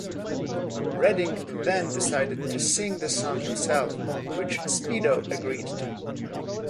Redding then decided to sing the song himself, which Speedo agreed to.